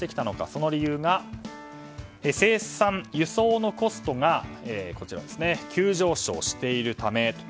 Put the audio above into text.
その理由が生産・輸送のコストが急上昇しているためと。